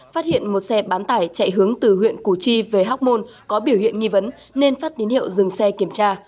phát hiện một xe bán tải chạy hướng từ huyện củ chi về hoc mon có biểu hiện nghi vấn nên phát tín hiệu dừng xe kiểm tra